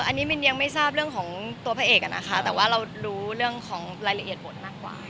อันนี้มินยังไม่ทราบเรื่องของตัวพระเอกอะนะคะแต่ว่าเรารู้เรื่องของรายละเอียดบทมากกว่า